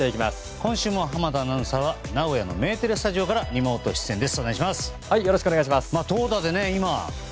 今週も濱田アナウンサーは名古屋のメテレスタジオからリモート出演です。